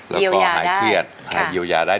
แล้วก็หายเครียดหายเยียวยาได้